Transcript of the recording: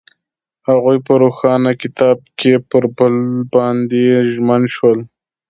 هغوی په روښانه کتاب کې پر بل باندې ژمن شول.